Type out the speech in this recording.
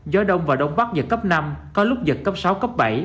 gió đông vào đông bắc giật cấp năm có lúc giật cấp sáu cấp bảy